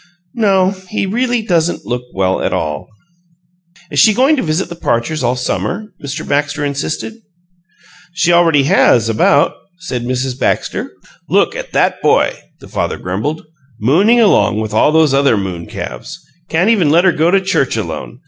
"No, he really doesn't look well at all." "Is she going to visit the Parchers all summer?" Mr. Baxter insisted. "She already has, about," said Mrs. Baxter. "Look at that boy!" the father grumbled. "Mooning along with those other moon calves can't even let her go to church alone!